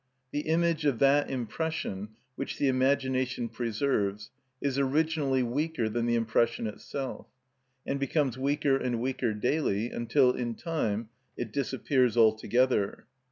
The image of that impression which the imagination preserves is originally weaker than the impression itself, and becomes weaker and weaker daily, until in time it disappears altogether.